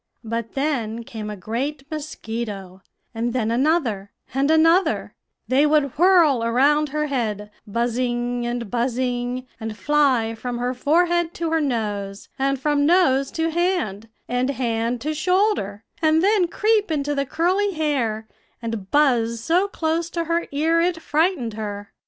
"But then came a great mosquito, and then another, and another; they would whirl around her head, buzzing and buzzing, and fly from her forehead to her nose, and from nose to hand, and hand to shoulder, and then creep into the curly hair, and buzz so close to her ear it frightened her.